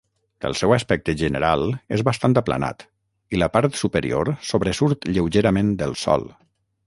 El seu aspecte general és bastant aplanat i la part superior sobresurt lleugerament del sòl.